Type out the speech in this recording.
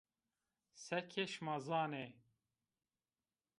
Seke şima zanê